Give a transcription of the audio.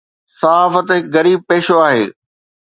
صحافت هڪ غريب پيشو هو.